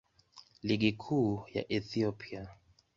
Ligi Kuu ya Ethiopia.